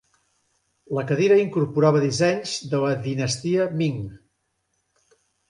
La cadira incorporava dissenys de la dinastia Ming.